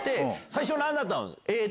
最初、なんだったの？